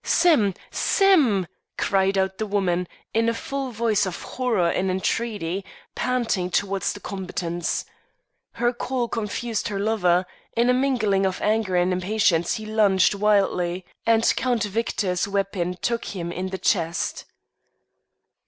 "Sim! Sim!" cried out the woman in a voice full of horror and entreaty, panting towards the combatants. Her call confused her lover: in a mingling of anger and impatience he lunged wildly, and Count Victor's weapon took him in the chest.